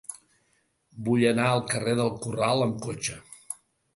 Vull anar al carrer del Corral amb cotxe.